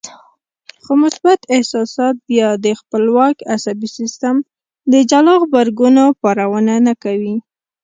خو مثبت احساسات بيا د خپلواک عصبي سيستم د جلا غبرګونونو پارونه نه کوي.